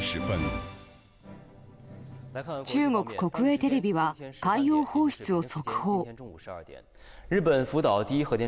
中国国営テレビは海洋放出を速報。